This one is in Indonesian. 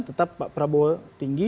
tetap pak prabowo tinggi